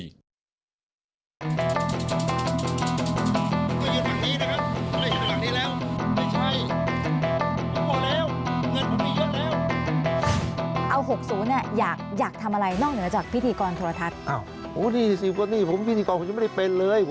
เจอภาครังดี้นี่นะคะเจอภาครังนี้แล้ว